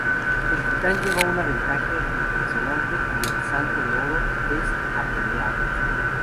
El titan lleva una ventaja impresionante y el santo de oro es apaleado.